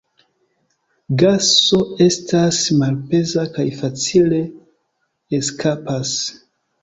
Gaso estas malpeza kaj facile eskapas.